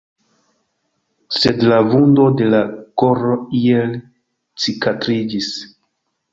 Sed la vundo de la koro iel cikatriĝis.